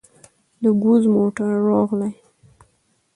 د ګوز موتر روغلى.